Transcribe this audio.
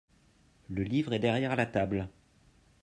Le livre est derrière la table.